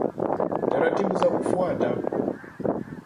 Taratibu za kufuata